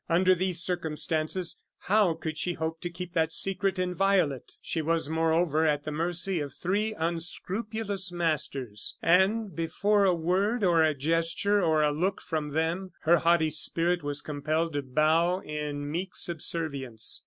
Under these circumstances, how could she hope to keep that secret inviolate? She was, moreover, at the mercy of three unscrupulous masters; and before a word, or a gesture, or a look from them, her haughty spirit was compelled to bow in meek subservience.